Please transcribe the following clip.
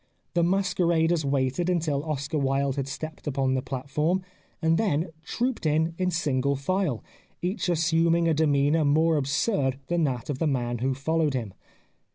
The masqueraders waited until Oscar Wilde had stepped upon the platform, and then trooped in in single file, each assuming a demeanour more absurd than that of the man who followed him.